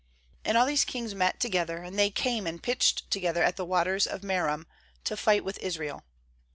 5And all these kings met together; and they came and pitched together at the waters of Merom, to fight with Israel.